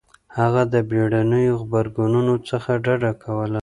هغه د بېړنيو غبرګونونو څخه ډډه کوله.